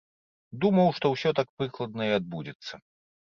Думаў, што ўсё так прыкладна і адбудзецца.